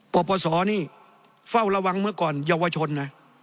ปปศนี่เฝ้าระวังเมื่อก่อนเยาวชนนะ